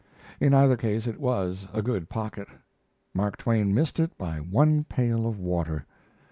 In either case it was a good pocket. Mark Twain missed it by one pail of water.